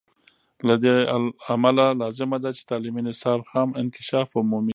له دې امله لازمه ده چې تعلیمي نصاب هم انکشاف ومومي.